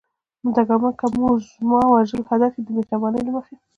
ډګرمن: که مو زما وژل هدف وي، د مهربانۍ له مخې.